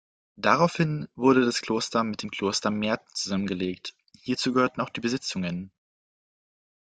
Daraufhin wurde das Kloster mit dem Kloster Merten zusammengelegt, hierzu gehörten auch die Besitzungen.